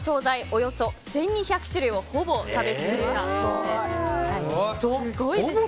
およそ１２００種類をほぼ食べつくしたそうです。